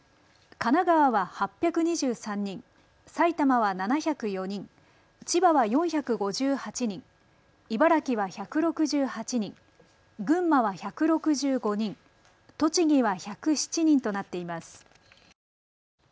神奈川は８２３人、埼玉は７０４人、千葉は４５８人、茨城は１６８人、群馬は１６５人、栃木は１０７人となっています。